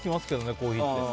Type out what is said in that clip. コーヒーって。